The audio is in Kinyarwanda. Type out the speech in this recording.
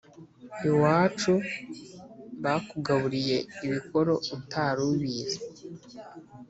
iwacu bakugaburiye ibikoro utari ubizi